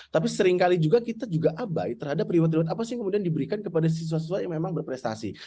tapi seringkali juga kita juga abai terhadap reward reward apa sih yang kemudian diberikan kepada siswa siswa yang memang berprestasi